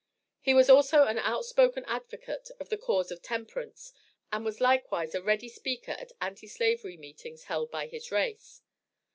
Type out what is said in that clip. He was also an outspoken advocate of the cause of temperance, and was likewise a ready speaker at Anti slavery meetings held by his race.